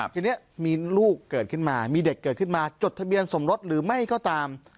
ทีนี้มีลูกเกิดขึ้นมามีเด็กเกิดขึ้นมาจดทะเบียนสมรสหรือไม่ก็ตาม